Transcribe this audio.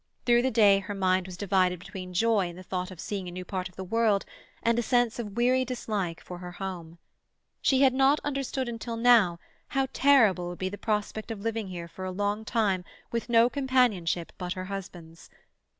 Through the day her mind was divided between joy in the thought of seeing a new part of the world and a sense of weary dislike for her home. She had not understood until now how terrible would be the prospect of living here for a long time with no companionship but her husband's.